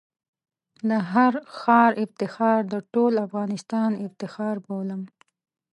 د هر ښار افتخار د ټول افغانستان افتخار بولم.